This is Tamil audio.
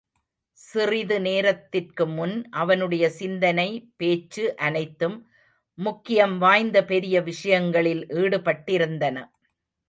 சிறிது நேரத்திற்கு முன் அவனுடைய சிந்தனை, பேச்சு அனைத்தும் முக்கியம் வாய்ந்த பெரிய விஷயங்களில் ஈடுபட்டிருந்தன.